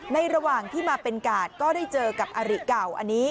ระหว่างที่มาเป็นกาดก็ได้เจอกับอริเก่าอันนี้